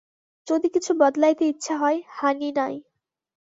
যদি কিছু বদলাইতে ইচ্ছা হয়, হানি নাই।